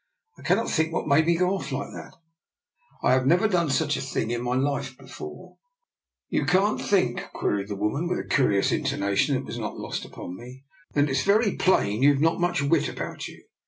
" I cannot think what made me go off like that. I have never done such a thing in my life before." " You can't think? " queried the woman, with a curious intonation that was not lost upon me. " Then it's very plain you've not much wit about you.